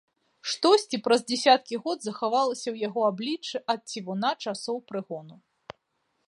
Штосьці, праз дзесяткі год, захавалася ў яго абліччы ад цівуна часоў прыгону.